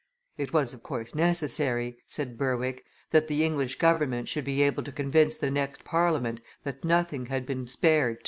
"It was, of course, necessary," said Berwick, "that the English government should be able to convince the next Parliament that nothing had been spared to diminish the navy of Spain."